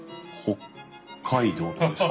北海道とかですか？